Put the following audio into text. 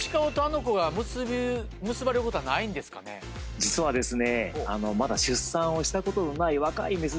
実はですね